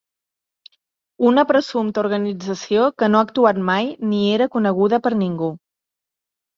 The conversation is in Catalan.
Una presumpta organització que no ha actuat mai ni era coneguda per ningú.